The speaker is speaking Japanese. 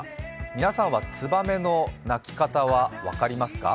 皆さんは、つばめの鳴き方は分かりますか？